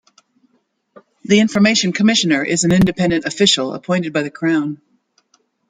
The Information Commissioner is an independent official appointed by the Crown.